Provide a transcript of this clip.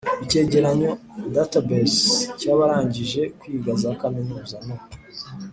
icyegeranyo database cy abarangije kwiga za kaminuza no